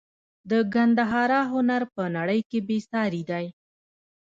د ګندهارا هنر په نړۍ کې بې ساري دی